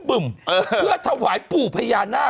เพื่อถวายปู่พญานาค